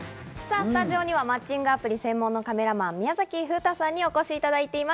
スタジオにはマッチングアプリ専門のカメラマン・宮崎楓太さんにお越しいただいてます。